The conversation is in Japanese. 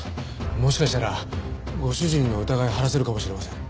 もしかしたらご主人の疑い晴らせるかもしれません。